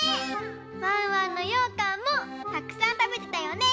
ワンワンのようかんもたくさんたべてたよね！